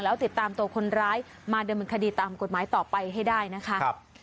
แล้วติดตามตัวคนร้ายมาดำเนินคดีตามกฎหมายต่อไปให้ได้นะคะ